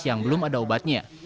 yang belum ada obatnya